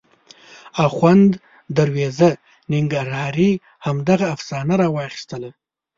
اخوند دروېزه ننګرهاري همدغه افسانه راواخیستله.